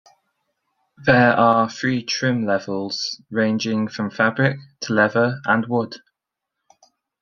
There are three "trim levels" ranging from fabric to leather and wood.